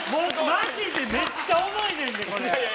マジでめっちゃ重いねんで、これ。